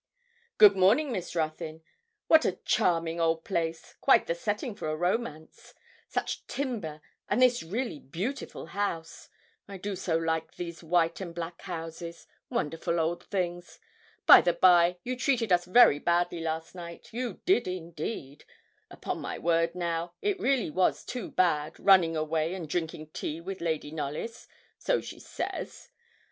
'Good morning, Miss Ruthyn. What a charming old place! quite the setting for a romance; such timber, and this really beautiful house. I do so like these white and black houses wonderful old things. By the by, you treated us very badly last night you did, indeed; upon my word, now, it really was too bad running away, and drinking tea with Lady Knollys so she says.